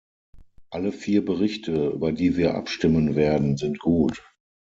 Alle vier Berichte, über die wir abstimmen werden, sind gut.